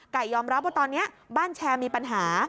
ยอมรับว่าตอนนี้บ้านแชร์มีปัญหา